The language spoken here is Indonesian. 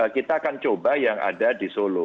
kita akan coba yang ada di solo